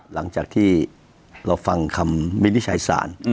หลังจากที่เราฟังคำวินิจฉัยสาร